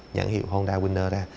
nhãn hiệu honda winner ra